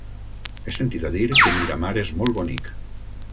He sentit a dir que Miramar és molt bonic.